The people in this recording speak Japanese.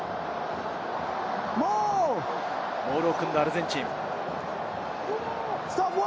モールを組んだアルゼンチン。